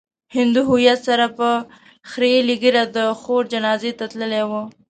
هندو هويت سره په خريلې ږيره د خور جنازې ته تللی و.